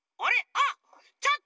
あっちょっと！